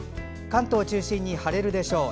関東を中心に晴れるでしょう。